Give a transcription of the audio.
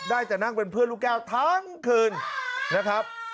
ได้แต่นั่งเป็นเพื่อนลูกแก้วทั้งคืนนะครับ